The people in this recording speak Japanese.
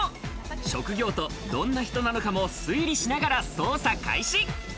職業とどんな人なのかも推理しながら捜査開始。